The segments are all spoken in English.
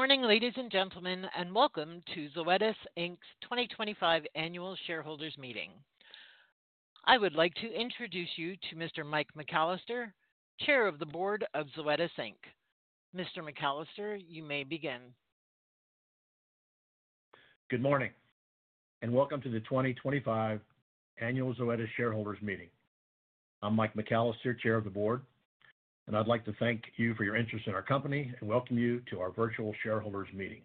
Good morning, ladies and gentlemen, and welcome to Zoetis' 2025 Annual Shareholders Meeting. I would like to introduce you to Mr. Mike McCallister, Chair of the Board of Zoetis. Mr. McCallister, you may begin. Good morning, and welcome to the 2025 Annual Zoetis Shareholders Meeting. I'm Mike McCallister, Chair of the Board, and I'd like to thank you for your interest in our company and welcome you to our virtual shareholders meeting.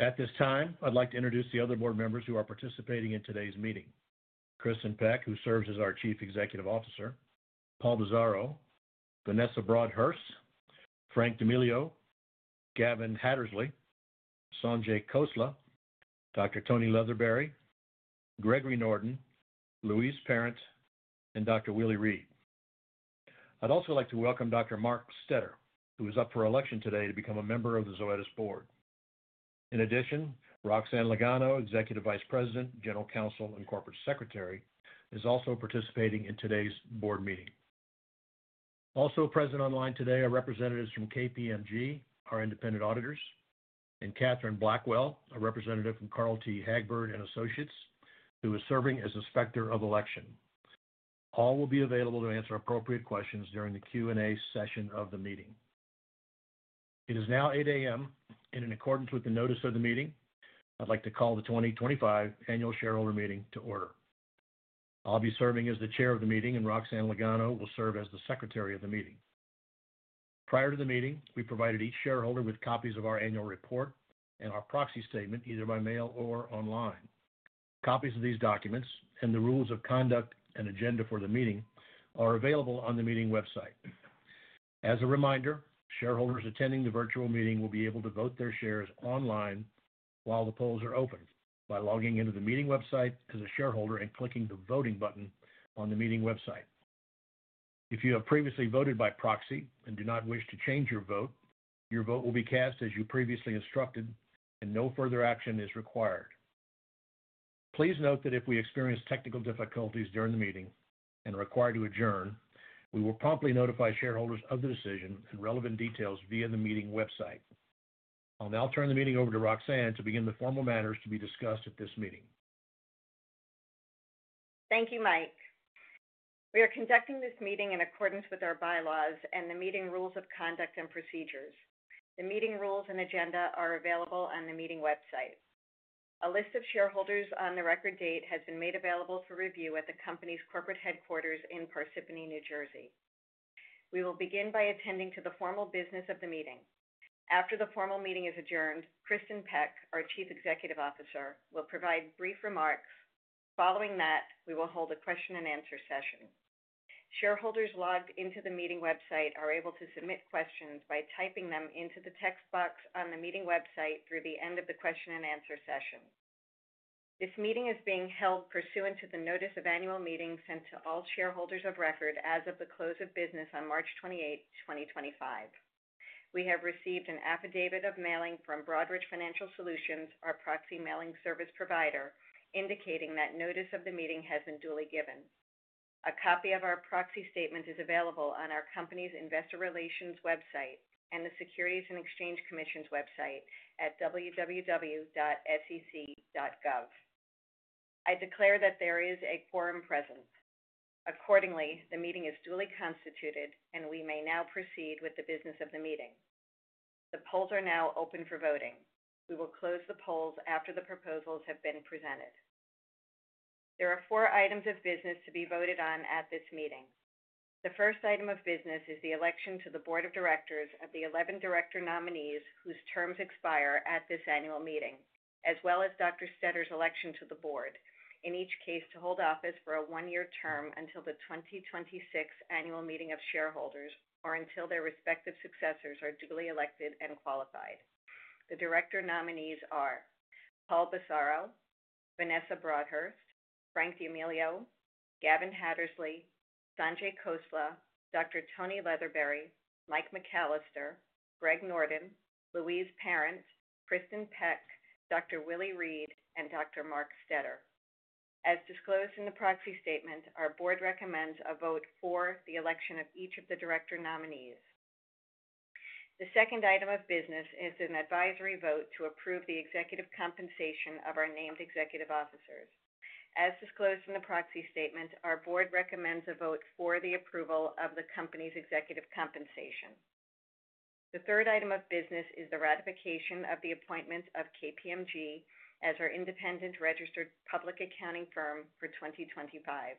At this time, I'd like to introduce the other board members who are participating in today's meeting: Kristin Peck, who serves as our Chief Executive Officer; Paul Bisaro; Vanessa Broadhurst; Frank D'Amelio; Gavin Hattersley; Sanjay Khosla; Dr. Tony Leatherberry; Gregory Norden; Louise Parent; and Dr. Willie Reed. I'd also like to welcome Dr. Mark Stetter, who is up for election today to become a member of the Zoetis board. In addition, Roxanne Lagano, Executive Vice President, General Counsel, and Corporate Secretary, is also participating in today's board meeting. Also present online today are representatives from KPMG, our independent auditors, and Kathy Blackwell, a representative from Carl T. Hagberg & Associates, who is serving as Inspector of Election. All will be available to answer appropriate questions during the Q&A session of the meeting. It is now 8:00 A.M., and in accordance with the notice of the meeting, I'd like to call the 2025 Annual Shareholders Meeting to order. I'll be serving as the Chair of the meeting, and Roxanne Lagano will serve as the Secretary of the meeting. Prior to the meeting, we provided each shareholder with copies of our annual report and our proxy statement either by mail or online. Copies of these documents and the rules of conduct and agenda for the meeting are available on the meeting website. As a reminder, shareholders attending the virtual meeting will be able to vote their shares online while the polls are open by logging into the meeting website as a shareholder and clicking the voting button on the meeting website. If you have previously voted by proxy and do not wish to change your vote, your vote will be cast as you previously instructed, and no further action is required. Please note that if we experience technical difficulties during the meeting and are required to adjourn, we will promptly notify shareholders of the decision and relevant details via the meeting website. I'll now turn the meeting over to Roxanne to begin the formal matters to be discussed at this meeting. Thank you, Mike. We are conducting this meeting in accordance with our bylaws and the meeting rules of conduct and procedures. The meeting rules and agenda are available on the meeting website. A list of shareholders on the record date has been made available for review at the company's corporate headquarters in Parsippany, New Jersey. We will begin by attending to the formal business of the meeting. After the formal meeting is adjourned, Kristin Peck, our Chief Executive Officer, will provide brief remarks. Following that, we will hold a question-and-answer session. Shareholders logged into the meeting website are able to submit questions by typing them into the text box on the meeting website through the end of the question-and-answer session. This meeting is being held pursuant to the notice of annual meeting sent to all shareholders of record as of the close of business on March 28, 2025. We have received an affidavit of mailing from Broadridge Financial Solutions, our proxy mailing service provider, indicating that notice of the meeting has been duly given. A copy of our proxy statement is available on our company's investor relations website and the Securities and Exchange Commission's website at www.sec.gov. I declare that there is a quorum present. Accordingly, the meeting is duly constituted, and we may now proceed with the business of the meeting. The polls are now open for voting. We will close the polls after the proposals have been presented. There are four items of business to be voted on at this meeting. The first item of business is the election to the board of directors of the 11 director nominees whose terms expire at this annual meeting, as well as Dr. Stetter's election to the board, in each case to hold office for a one-year term until the 2026 annual meeting of shareholders or until their respective successors are duly elected and qualified. The director nominees are Paul Bisaro, Vanessa Broadhurst, Frank D'Amelio, Gavin Hattersley, Sanjay Khosla, Dr. Tony Leatherberry, Mike McCallister, Gregory Norden, Louise Parent, Kristin Peck, Dr. Willie Reed, and Dr. Mark Stetter. As disclosed in the proxy statement, our board recommends a vote for the election of each of the director nominees. The second item of business is an advisory vote to approve the executive compensation of our named executive officers. As disclosed in the proxy statement, our board recommends a vote for the approval of the company's executive compensation. The third item of business is the ratification of the appointment of KPMG as our independent registered public accounting firm for 2025.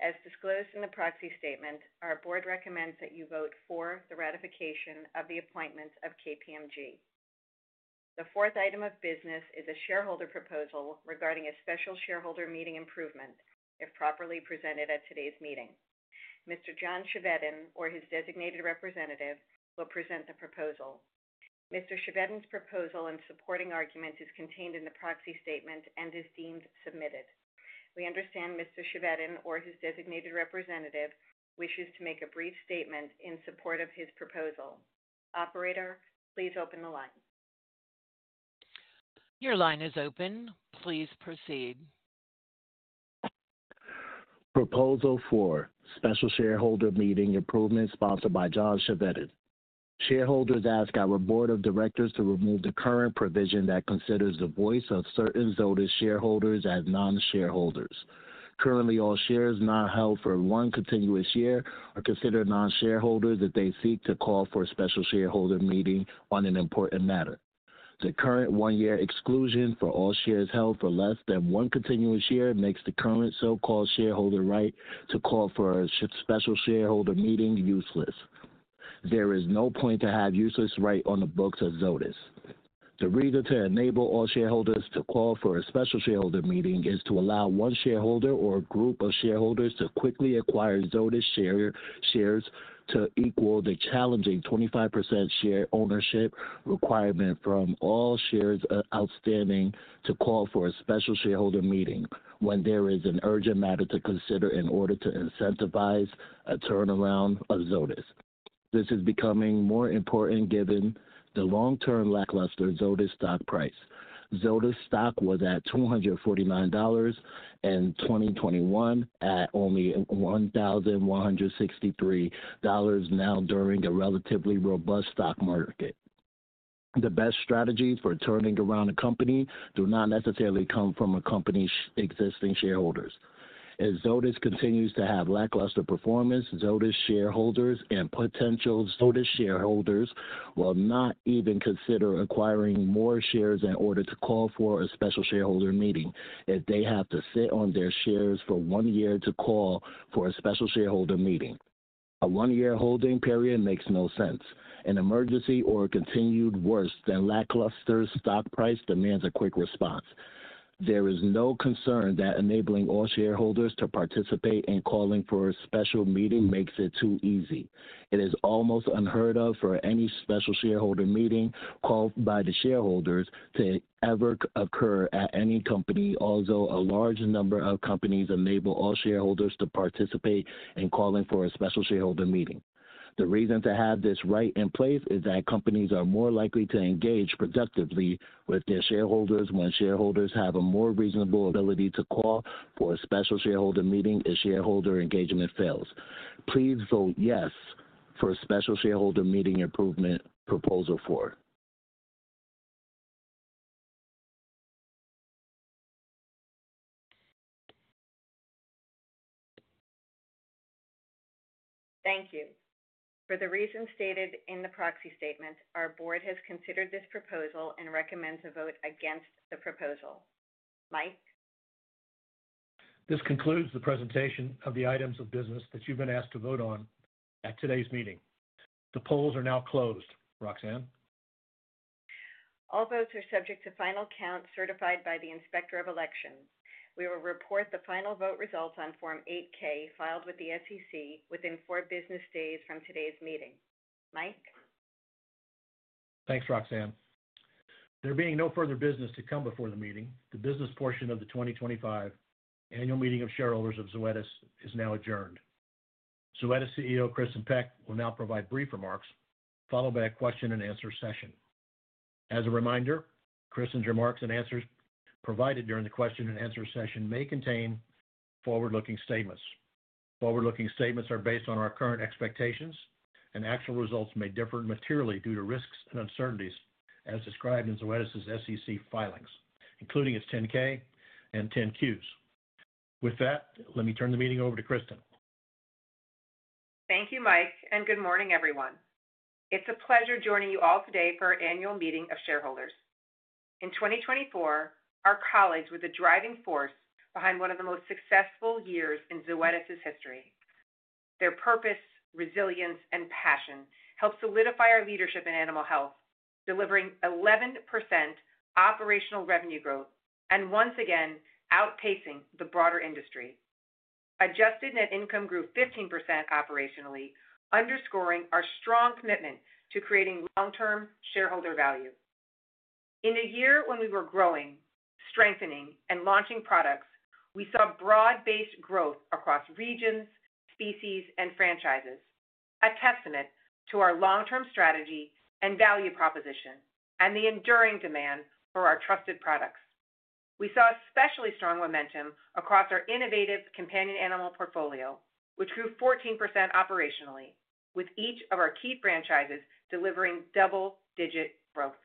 As disclosed in the proxy statement, our board recommends that you vote for the ratification of the appointment of KPMG. The fourth item of business is a shareholder proposal regarding a special shareholder meeting improvement, if properly presented at today's meeting. Mr. John Chevedden, or his designated representative, will present the proposal. Mr. Chevedden's proposal and supporting arguments are contained in the proxy statement and are deemed submitted. We understand Mr. Chevedden, or his designated representative, wishes to make a brief statement in support of his proposal. Operator, please open the line. Your line is open. Please proceed. Proposal four, special shareholder meeting improvement sponsored by John Chevedden. Shareholders ask our board of directors to remove the current provision that considers the voice of certain Zoetis shareholders as non-shareholders. Currently, all shares not held for one continuous year are considered non-shareholders if they seek to call for a special shareholder meeting on an important matter. The current one-year exclusion for all shares held for less than one continuous year makes the current so-called shareholder right to call for a special shareholder meeting useless. There is no point to have a useless right on the books of Zoetis. The reason to enable all shareholders to call for a special shareholder meeting is to allow one shareholder or a group of shareholders to quickly acquire Zoetis shares to equal the challenging 25% share ownership requirement from all shares outstanding to call for a special shareholder meeting when there is an urgent matter to consider in order to incentivize a turnaround of Zoetis. This is becoming more important given the long-term lackluster Zoetis stock price. Zoetis stock was at $249 in 2021 at only $163 now during a relatively robust stock market. The best strategies for turning around a company do not necessarily come from a company's existing shareholders. If Zoetis continues to have lackluster performance, Zoetis shareholders and potential Zoetis shareholders will not even consider acquiring more shares in order to call for a special shareholder meeting if they have to sit on their shares for one year to call for a special shareholder meeting. A one-year holding period makes no sense. An emergency or a continued worse than lackluster stock price demands a quick response. There is no concern that enabling all shareholders to participate in calling for a special meeting makes it too easy. It is almost unheard of for any special shareholder meeting called by the shareholders to ever occur at any company, although a large number of companies enable all shareholders to participate in calling for a special shareholder meeting. The reason to have this right in place is that companies are more likely to engage productively with their shareholders when shareholders have a more reasonable ability to call for a special shareholder meeting if shareholder engagement fails. Please vote yes for a special shareholder meeting improvement proposal four. Thank you. For the reasons stated in the proxy statement, our board has considered this proposal and recommends a vote against the proposal. Mike? This concludes the presentation of the items of business that you've been asked to vote on at today's meeting. The polls are now closed. Roxanne? All votes are subject to final count certified by the Inspector of Elections. We will report the final vote results on Form 8-K filed with the SEC within four business days from today's meeting. Mike? Thanks, Roxanne. There being no further business to come before the meeting, the business portion of the 2025 Annual Meeting of Shareholders of Zoetis is now adjourned. Zoetis CEO Kristin Peck will now provide brief remarks followed by a question-and-answer session. As a reminder, Kristin's remarks and answers provided during the question-and-answer session may contain forward-looking statements. Forward-looking statements are based on our current expectations, and actual results may differ materially due to risks and uncertainties as described in Zoetis' SEC filings, including its 10-K and 10-Qs. With that, let me turn the meeting over to Kristin. Thank you, Mike, and good morning, everyone. It's a pleasure joining you all today for our annual meeting of shareholders. In 2024, our colleagues were the driving force behind one of the most successful years in Zoetis' history. Their purpose, resilience, and passion helped solidify our leadership in animal health, delivering 11% operational revenue growth and once again outpacing the broader industry. Adjusted net income grew 15% operationally, underscoring our strong commitment to creating long-term shareholder value. In a year when we were growing, strengthening, and launching products, we saw broad-based growth across regions, species, and franchises, a testament to our long-term strategy and value proposition and the enduring demand for our trusted products. We saw especially strong momentum across our innovative companion animal portfolio, which grew 14% operationally, with each of our key franchises delivering double-digit growth.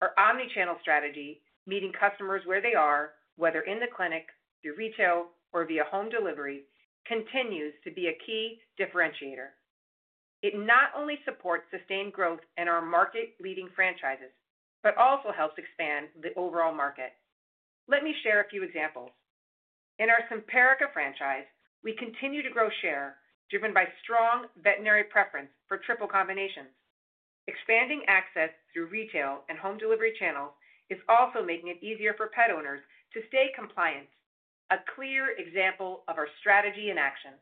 Our omnichannel strategy, meeting customers where they are, whether in the clinic, through retail, or via home delivery, continues to be a key differentiator. It not only supports sustained growth in our market-leading franchises but also helps expand the overall market. Let me share a few examples. In our Simparica franchise, we continue to grow share driven by strong veterinary preference for triple combinations. Expanding access through retail and home delivery channels is also making it easier for pet owners to stay compliant, a clear example of our strategy in action.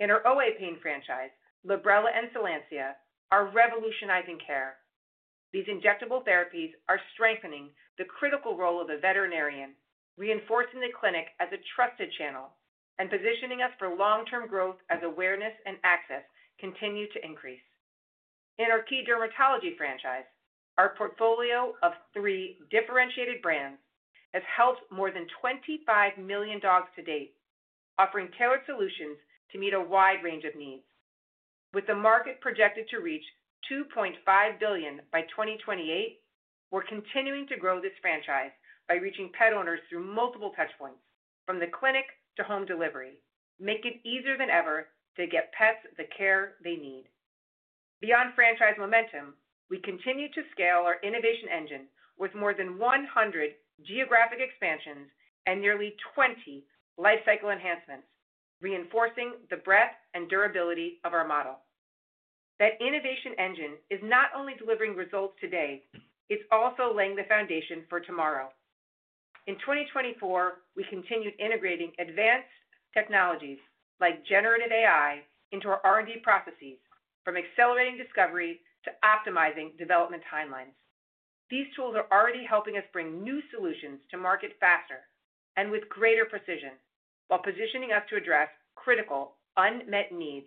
In our OA pain Franchise, Librela and Solensia are revolutionizing care. These injectable therapies are strengthening the critical role of the veterinarian, reinforcing the clinic as a trusted channel, and positioning us for long-term growth as awareness and access continue to increase. In our key Dermatology Franchise, our portfolio of three differentiated brands has helped more than 25 million dogs to date, offering tailored solutions to meet a wide range of needs. With the market projected to reach $2.5 billion by 2028, we're continuing to grow this franchise by reaching pet owners through multiple touchpoints, from the clinic to home delivery, making it easier than ever to get pets the care they need. Beyond franchise momentum, we continue to scale our innovation engine with more than 100 geographic expansions and nearly 20 life cycle enhancements, reinforcing the breadth and durability of our model. That innovation engine is not only delivering results today. It's also laying the foundation for tomorrow. In 2024, we continued integrating advanced technologies like generative AI into our R&D processes, from accelerating discovery to optimizing development timelines. These tools are already helping us bring new solutions to market faster and with greater precision while positioning us to address critical unmet needs,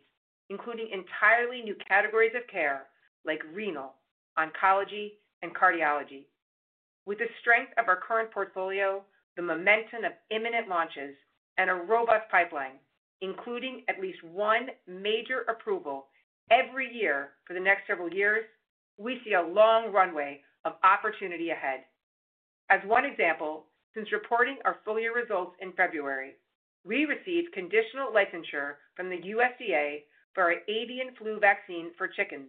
including entirely new categories of care like renal, oncology, and cardiology. With the strength of our current portfolio, the momentum of imminent launches, and a robust pipeline, including at least one major approval every year for the next several years, we see a long runway of opportunity ahead. As one example, since reporting our full-year results in February, we received conditional licensure from the USDA for our Avian Influenza Vaccine for chickens,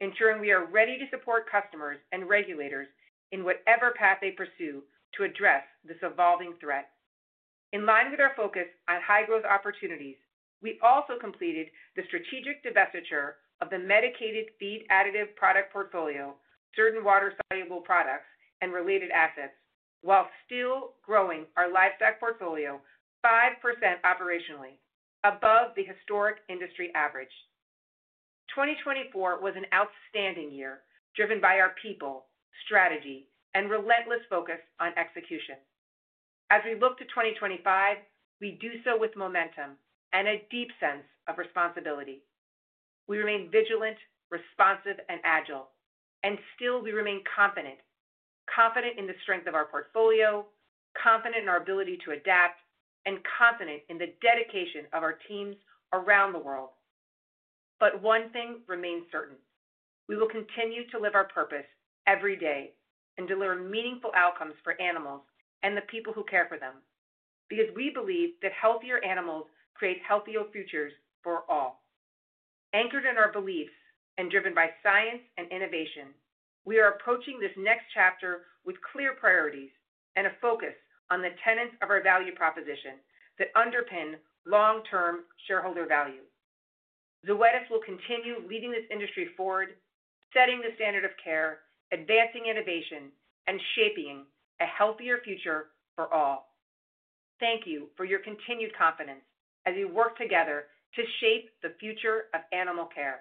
ensuring we are ready to support customers and regulators in whatever path they pursue to address this evolving threat. In line with our focus on high-growth opportunities, we also completed the strategic divestiture of the medicated feed additive product portfolio, certain water-soluble products, and related assets, while still growing our livestock portfolio 5% operationally, above the historic industry average. 2024 was an outstanding year, driven by our people, strategy, and relentless focus on execution. As we look to 2025, we do so with momentum and a deep sense of responsibility. We remain vigilant, responsive, and agile, and we remain confident, confident in the strength of our portfolio, confident in our ability to adapt, and confident in the dedication of our teams around the world. One thing remains certain: we will continue to live our purpose every day and deliver meaningful outcomes for animals and the people who care for them because we believe that healthier animals create healthier futures for all. Anchored in our beliefs and driven by science and innovation, we are approaching this next chapter with clear priorities and a focus on the tenets of our value proposition that underpin long-term shareholder value. Zoetis will continue leading this industry forward, setting the standard of care, advancing innovation, and shaping a healthier future for all. Thank you for your continued confidence as we work together to shape the future of animal care.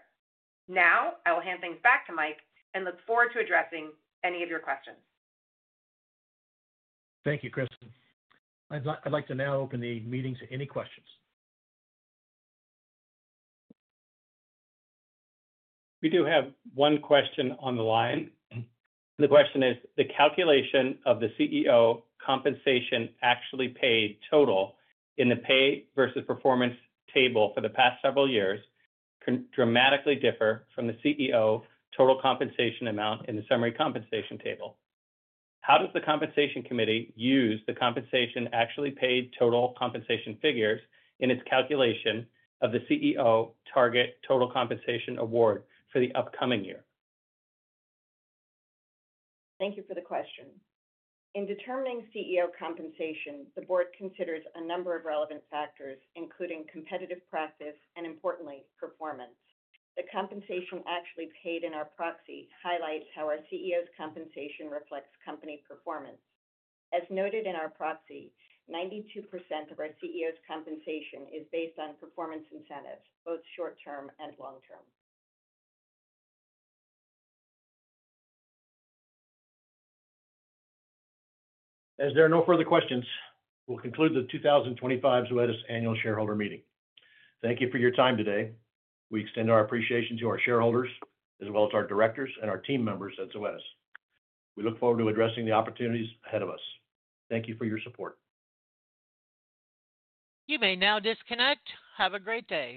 Now, I will hand things back to Mike and look forward to addressing any of your questions. Thank you, Kristin. I'd like to now open the meeting to any questions. We do have one question on the line. The question is, the calculation of the CEO Compensation Actually Paid total in the Pay Versus Performance table for the past several years can dramatically differ from the CEO Total Compensation Amount in the Summary Compensation Table. How does the Compensation Committee use the Compensation Actually Paid total compensation figures in its calculation of the CEO target total compensation award for the upcoming year? Thank you for the question. In determining CEO compensation, the board considers a number of relevant factors, including competitive practice and, importantly, performance. The compensation actually paid in our proxy highlights how our CEO's compensation reflects company performance. As noted in our proxy, 92% of our CEO's compensation is based on performance incentives, both short-term and long-term. As there are no further questions, we'll conclude the 2025 Zoetis Annual Shareholders Meeting. Thank you for your time today. We extend our appreciation to our shareholders, as well as our directors and our team members at Zoetis. We look forward to addressing the opportunities ahead of us. Thank you for your support. You may now disconnect. Have a great day.